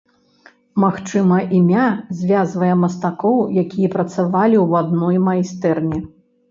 Магчыма, імя звязвае мастакоў, якія працавалі ў адной майстэрні.